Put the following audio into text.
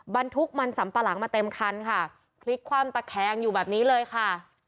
บรรทุกมันสัมปะหลังมาเต็มคันค่ะพลิกคว่ำตะแคงอยู่แบบนี้เลยค่ะ